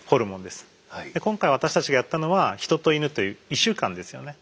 で今回私たちがやったのはヒトとイヌという異種間ですよね。